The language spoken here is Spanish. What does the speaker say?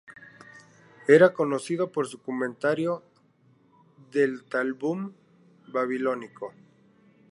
Era conocido por su comentario del Talmud babilónico.